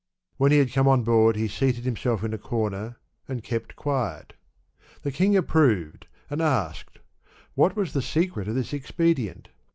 When he had come on board, he seated himself in a comer and kept quiet. The king approved, and asked, *' What was the secret of this expedient